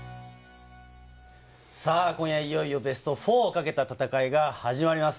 さか今夜、いよいよベスト４をかけた戦いが始まります。